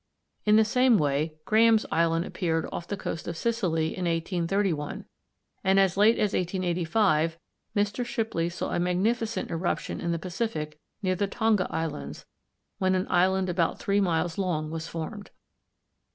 In the same way Graham's Island appeared off the coast of Sicily in 1831, and as late as 1885 Mr. Shipley saw a magnificent eruption in the Pacific near the Tonga Islands when an island about three miles long was formed.